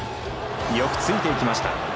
よくついていきました。